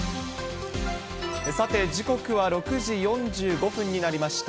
さて時刻は６時４５分になりました。